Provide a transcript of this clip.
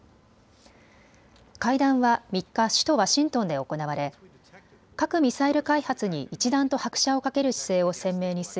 会談は３日首都ワシントンで行われ核・ミサイル開発に一段と拍車をかける姿勢を鮮明にする